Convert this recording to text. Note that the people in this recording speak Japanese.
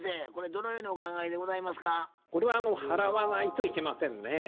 これは払わないといけませんね。